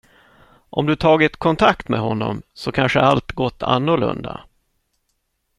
Om du tagit kontakt med honom så kanske allt gått annorlunda.